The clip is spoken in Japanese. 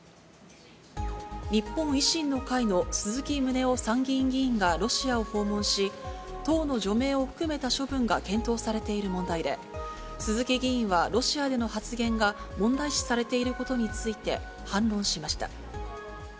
日本維新の会の鈴木宗男参議院議員がロシアを訪問し、党の除名を含めた処分が検討されている問題で、鈴木議員は、ロシアでの発言が問題視されていることについて、反論しました。